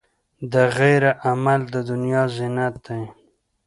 د خیر عمل، د دنیا زینت دی.